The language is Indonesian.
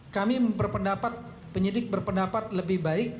kami berpendapat penyidik berpendapat lebih baik